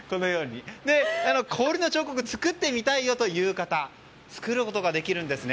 氷の彫刻作ってみたいよという方作ることができるんです。